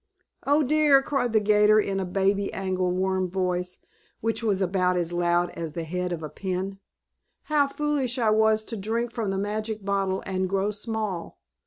"Oh, dear!" cried the 'gator in a baby angle worm voice, which was about as loud as the head of a pin. "How foolish I was to drink from the magic bottle and grow small."